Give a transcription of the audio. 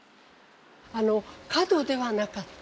あの角ではなかった。